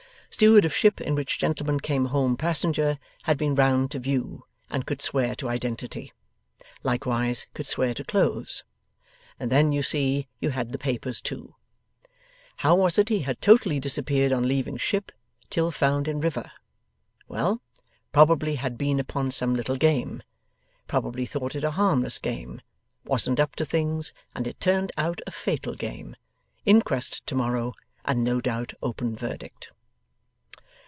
Steward of ship in which gentleman came home passenger, had been round to view, and could swear to identity. Likewise could swear to clothes. And then, you see, you had the papers, too. How was it he had totally disappeared on leaving ship, 'till found in river? Well! Probably had been upon some little game. Probably thought it a harmless game, wasn't up to things, and it turned out a fatal game. Inquest to morrow, and no doubt open verdict.